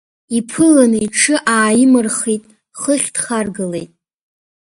Иԥыланы иҽы ааимырхит, хыхь дхаргалеит.